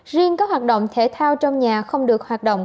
riêng các hoạt động thể thao trong nhà không được hoạt động